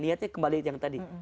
niatnya kembali yang tadi